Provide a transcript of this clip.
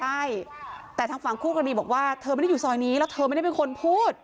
ใช่แต่ทางฝั่งคู่กรณีบอกว่าเธอไม่ได้อยู่ซอยนี้แล้วเธอไม่ได้เป็นคนพูด